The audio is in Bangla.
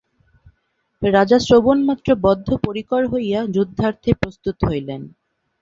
রাজা শ্রবণমাত্র বদ্ধপরিকর হইয়া যুদ্ধার্থে প্রস্তুত হইলেন।